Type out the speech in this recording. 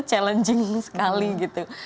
challenging sekali gitu